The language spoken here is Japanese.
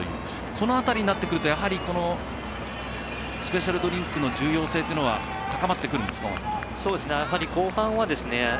この辺りになってくるとスペシャルドリンクの重要性というのは高まってくるんですか？